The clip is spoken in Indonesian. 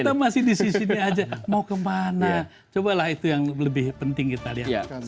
kita masih di sini sini saja mau ke mana cobalah itu yang lebih penting kita lihat